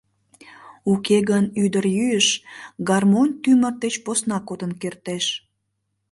Уке гын ӱдырйӱыш гармонь-тӱмыр деч посна кодын кертеш.